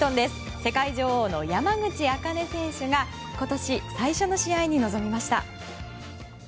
世界女王の山口茜選手が今年最初の試合に臨みました。